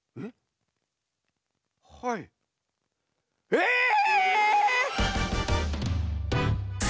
えっ！？